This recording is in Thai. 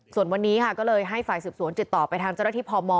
ส่วนวันนี้ค่ะก็เลยให้ฝ่ายสืบสวนติดต่อไปทางเจ้าหน้าที่พม